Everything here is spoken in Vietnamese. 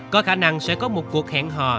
có khả năng sẽ có một cuộc hẹn hò